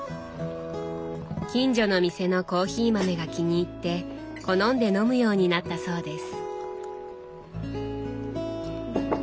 近所の店のコーヒー豆が気に入って好んで飲むようになったそうです。